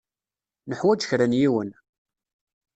Nuḥwaǧ kra n yiwen.